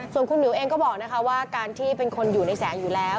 ส่วนคุณหมิวเองก็บอกนะคะว่าการที่เป็นคนอยู่ในแสงอยู่แล้ว